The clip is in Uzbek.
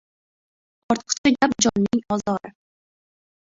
• Ortiqcha gap ― jonning ozori.